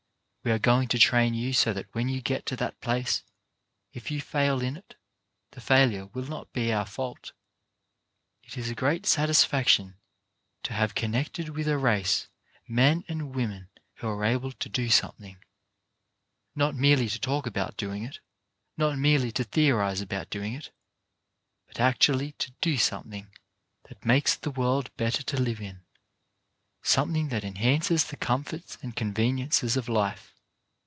We are going to train you so that when you get to that place, if you fail in it, the failure will not be our fault. It is a great satisfaction to have connected with a race men and women who are able to do some thing, not merely to talk about doing it, not LofC. ioo CHARACTER BUILDING merely to theorize about doing it, but actually to do something that makes the world better to live in, something that enhances the comforts and conveniences of life.